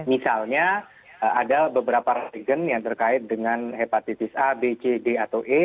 misalnya ada beberapa regen yang terkait dengan hepatitis a b c d atau e